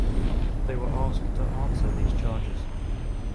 They were asked to answer these charges.